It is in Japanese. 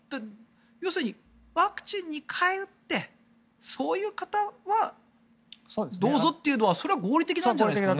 要するに、ワクチン２回打ってそういう方はどうぞというのは合理的なんじゃないですかね。